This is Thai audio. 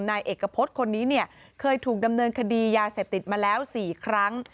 นายเอกพฤษคนนี้เนี่ยเคยถูกดำเนินคดียาเสพติดมาแล้ว๔ครั้ง